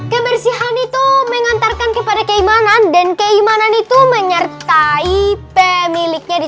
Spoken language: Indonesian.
kebersihan itu mengantarkan kepada keimanan dan keimanan itu menyertai pemiliknya di